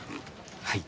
はい。